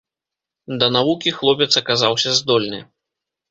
Да навукі хлопец аказаўся здольны.